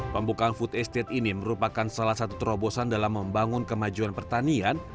pembukaan food estate ini merupakan salah satu terobosan dalam membangun kemajuan pertanian